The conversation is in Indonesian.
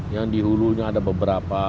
yang di hulunya ada beberapa